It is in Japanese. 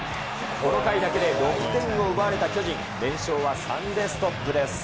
この回だけで６点を奪われた巨人、連勝は３でストップです。